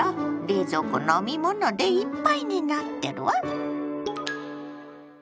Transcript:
冷蔵庫飲み物でいっぱいになってるわ！